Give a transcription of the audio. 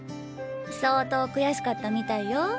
相当悔しかったみたいよ。